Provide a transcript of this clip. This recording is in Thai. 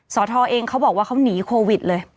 สทเองเขาบอกว่าเขาหนีโควิดเลย